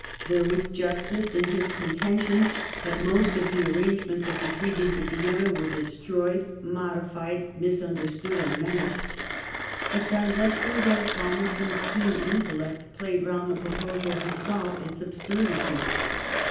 There was justice in 282 LIFE OF VISCOUNT PALMEB8T0N. bis contention that most of the arrangements of the treaties of Vienna were destroyed, modified, mis* understood, or menaced. Bat directly Lord Palmer* ston's keen intellect played round the proposal he saw its absurdity.